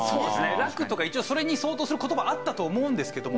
酪とか一応それに相当する言葉はあったと思うんですけども。